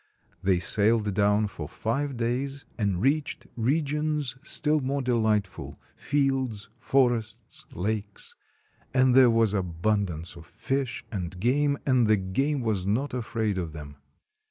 They sailed down for five days, and reached regions still more delightful, — fields, forests, lakes. And there was abun dance of fish and game, and the game was not afraid of them.